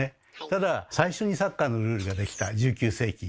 ただ最初にサッカーのルールが出来た１９世紀。